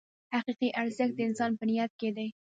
حقیقي ارزښت د انسان په نیت کې دی.